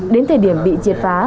đến thời điểm bị triệt phá